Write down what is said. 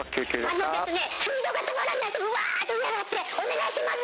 あのですね、水道が止まらないの、わーっと上に上がって、お願いします。